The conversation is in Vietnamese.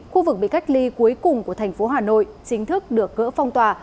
khu vực bị cách ly cuối cùng của thành phố hà nội chính thức được gỡ phong tỏa